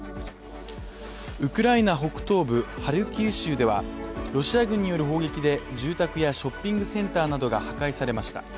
ウクライナ北東部ハルキウ州ではロシア軍による砲撃で住宅やショッピングセンターなどが破壊されました。